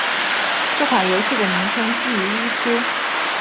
这款游戏的名称基于一出。